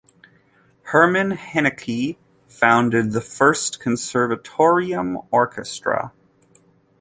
Hermann Heinicke founded the first Conservatorium Orchestra.